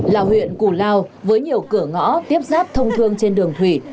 lào huyện củ lào với nhiều cửa ngõ tiếp giáp thông thương trên đường thủy